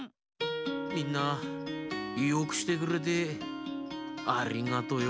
みんなよくしてくれてありがとよ。